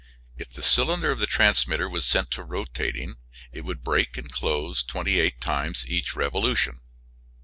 If the cylinder of the transmitter was set to rotating it would break and close twenty eight times each revolution.